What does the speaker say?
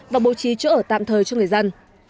và bố trí chỗ ở tạm thời cho người dân